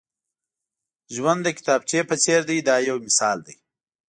ژوند د کتابچې په څېر دی دا یو مثال دی.